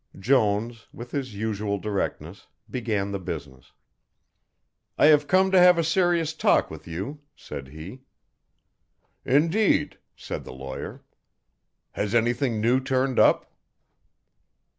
Jones, with his usual directness, began the business. "I have come to have a serious talk with you," said he. "Indeed," said the lawyer, "has anything new turned up?"